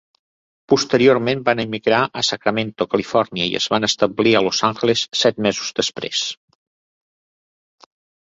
Posteriorment van emigrar a Sacramento, Califòrnia i es van establir a Los Angeles set mesos després.